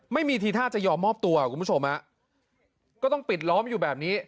ไม่มีทีท่าจะยอมมอบตัวคุณผู้ชมฮะก็ต้องปิดล้อมอยู่แบบนี้